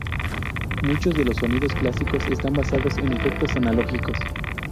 Muchos de los sonidos clásicos están basados en efectos analógicos.